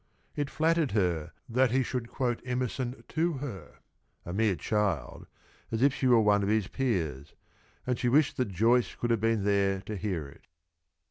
It flattered her that he should quote Emerson to her, a mere child, as if she were one of his peers, and she wished that Joyce could have been there to hear it.